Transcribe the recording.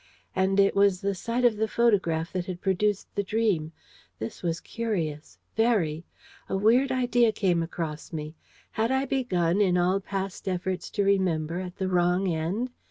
And it was the sight of the photograph that had produced the dream. This was curious, very. A weird idea came across me. Had I begun, in all past efforts to remember, at the wrong end?